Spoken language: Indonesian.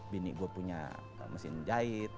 bini gue punya mesin jahit